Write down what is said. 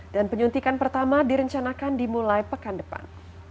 dan penyuntikan pertama direncanakan dimulai pekan depan